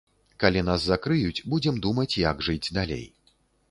Калі нас закрыюць, будзем думаць, як жыць далей.